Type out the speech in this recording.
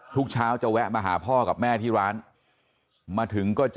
ทุกเช้าจะแวะมาหาพ่อกับแม่ที่ร้านมาถึงก็จะ